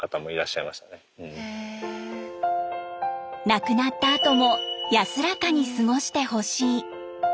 亡くなったあとも安らかに過ごしてほしい。